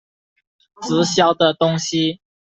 直销的东西